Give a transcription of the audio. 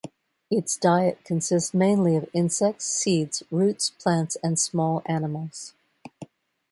Its diet consists mainly of insects, seeds, roots, plants and small animals.